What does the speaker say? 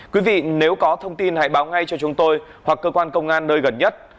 quý vị nếu có thông tin hãy báo ngay cho chúng tôi hoặc cơ quan công an nơi gần nhất